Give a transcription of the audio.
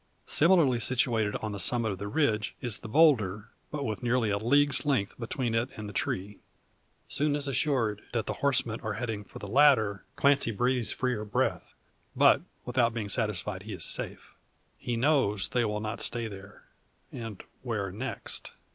Similarly situated on the summit of the ridge, is the boulder, but with nearly a league's length between it and the tree. Soon as assured that the horsemen are heading for the latter, Clancy breathes freer breath. But without being satisfied he is safe. He knows they will not stay there; and where next?